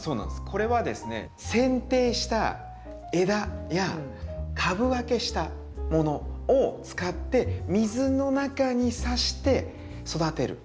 これはですねせん定した枝や株分けしたものを使って水の中に挿して育てる。